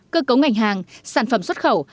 cơ cấu ngành hàng sản phẩm xuất khẩu